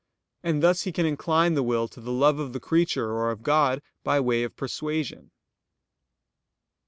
And thus he can incline the will to the love of the creature or of God, by way of persuasion.